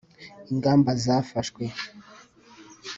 ingamba zafashwe